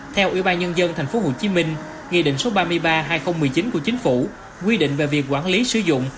theo ủy ban nhân dân tp hcm nghị định số ba mươi ba hai nghìn một mươi chín của chính phủ quy định về việc quản lý sử dụng